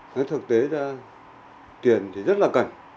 nó thực tế ra tiền thì rất là cần